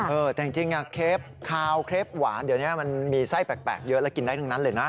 เออแต่จริงเคลปคาวเคล็บหวานเดี๋ยวนี้มันมีไส้แปลกเยอะแล้วกินได้ทั้งนั้นเลยนะ